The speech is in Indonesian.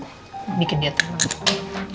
bikin dia tenang